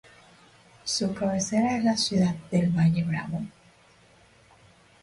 Su cabecera es la ciudad de Valle de Bravo.